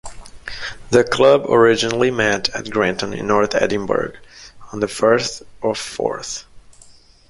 The club originally met at Granton in North Edinburgh on the Firth of Forth.